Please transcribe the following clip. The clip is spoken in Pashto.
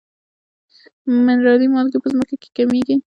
منرالي مالګې په ځمکه کې کمیږي.